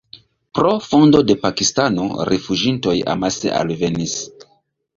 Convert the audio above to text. Pro fondo de Pakistano rifuĝintoj amase alvenis.